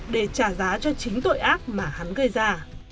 để trả giá cho chính tội ác mà hắn gây ra